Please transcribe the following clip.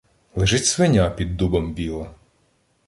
Лежить свиня під дубом біла